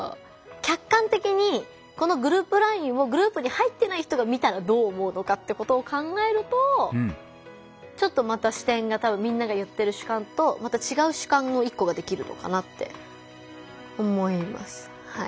客観的にこのグループＬＩＮＥをグループに入ってない人が見たらどう思うのかってことを考えるとちょっとまた視点がみんなが言ってる主観とまた違う主観の一個ができるのかなって思います。